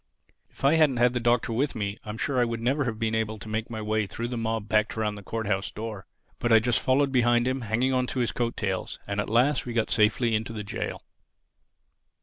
If I hadn't had the Doctor with me I am sure I would never have been able to make my way through the mob packed around the Court house door. But I just followed behind him, hanging on to his coat tails; and at last we got safely into the jail.